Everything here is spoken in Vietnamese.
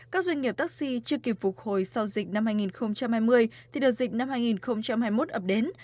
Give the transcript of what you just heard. các doanh nghiệp taxi chưa kịp phục hồi sau dịch năm hai nghìn hai mươi thì đợt dịch năm hai nghìn hai mươi một ập đến